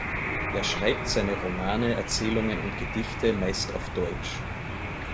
Er schreibt seine Romane, Erzählungen und Gedichte meist auf Deutsch.